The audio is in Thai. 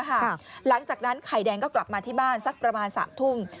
หลังจากนั้นไข่แดงก็กลับมาที่บ้านสักประมาณ๓ทุ่ม